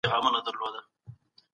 موږ د ښه تعليمي نصاب په لټه کي يو.